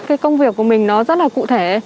cái công việc của mình nó rất là cụ thể